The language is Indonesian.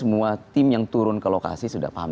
semua tim yang turun ke lokasi sudah paham